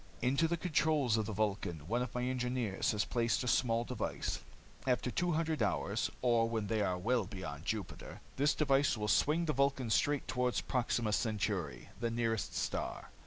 "Into the controls of the Vulcan one of my engineers has placed a small device. After two hundred hours, or when they are well beyond Jupiter, this device will swing the Vulcan straight toward Proxima Centauri, the nearest star.